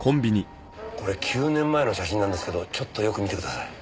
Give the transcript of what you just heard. これ９年前の写真なんですけどちょっとよく見てください。